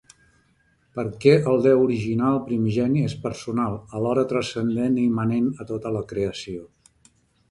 Perquè el Déu Original Primigeni és personal, alhora transcendent i immanent a tota la creació.